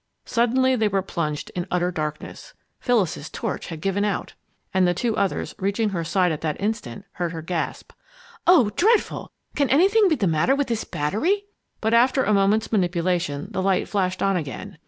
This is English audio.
Suddenly they were plunged in utter darkness. Phyllis's torch had given out! And the two others, reaching her side at that instant, heard her gasp, "Oh, dreadful! Can anything be the matter with this battery?" But after a moment's manipulation the light flashed on again.